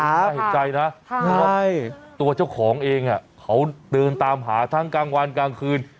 ถ้าเห็นใจนะใช่ตัวเจ้าของเองอ่ะเขาเดินตามหาทั้งกลางวานกลางคืน